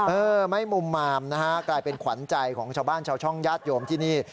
เออไม่มุมมามนะฮะกลายเป็นขวัญใจของชาวบ้านชาวช่องญาติโยมที่นี่